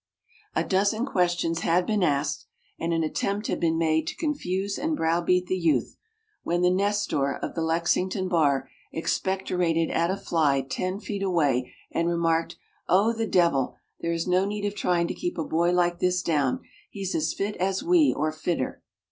A dozen questions had been asked, and an attempt had been made to confuse and browbeat the youth, when the Nestor of the Lexington Bar expectorated at a fly ten feet away, and remarked, "Oh, the devil! there is no need of tryin' to keep a boy like this down he's as fit as we, or fitter!"